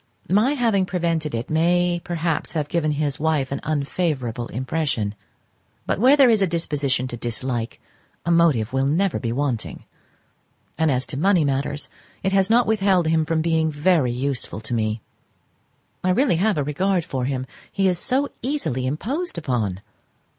My having prevented it may perhaps have given his wife an unfavourable impression, but where there is a disposition to dislike, a motive will never be wanting; and as to money matters it has not withheld him from being very useful to me. I really have a regard for him, he is so easily imposed upon!